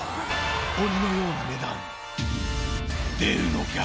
鬼のような値段出るのか！？